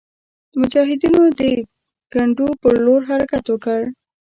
مجاهدینو د کنډو پر لور حرکت وکړ.